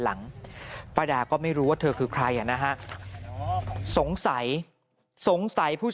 หลังจากพบศพผู้หญิงปริศนาตายตรงนี้ครับ